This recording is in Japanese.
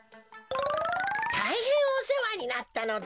たいへんおせわになったのだ。